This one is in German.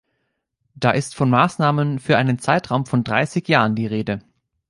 Da ist von Maßnahmen für einen Zeitraum von dreißig Jahren die Rede.